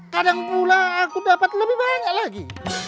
kadang pula aku dapat lebih banyak lagi